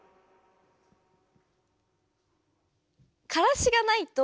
からしがないと。